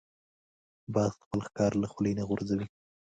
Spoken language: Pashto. باز خپل ښکار له خولې نه غورځوي